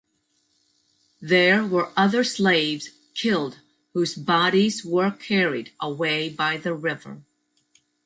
There were other slaves killed whose bodies were carried away by the river.